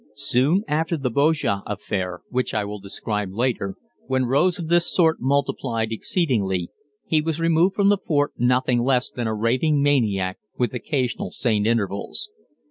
Soon after the Bojah affair, which I will describe later, when rows of this sort multiplied exceedingly, he was removed from the fort nothing less than a raving maniac with occasional sane intervals.